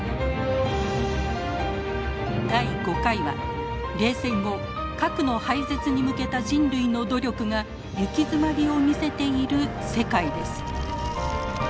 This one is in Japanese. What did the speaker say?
第５回は冷戦後核の廃絶に向けた人類の努力が行き詰まりを見せている世界です。